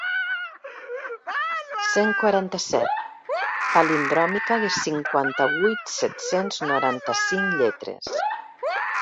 Cent quaranta-set palindròmica de cinquanta-vuit.set-cents noranta-cinc lletres.